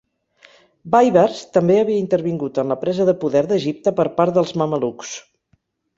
Bàybars també havia intervingut en la presa de poder d'Egipte per part dels mamelucs.